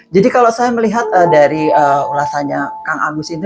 jadi kalau saya melihat dari ulasannya kang agus ini